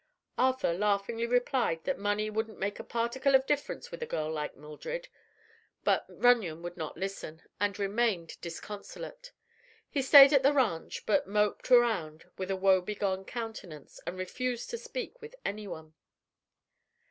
Arthur laughingly replied that money wouldn't make a particle of difference with a girl like Mildred, but Runyon would not listen and remained disconsolate. He stayed at the ranch, but moped around with a woe begone countenance and refused to speak with anyone.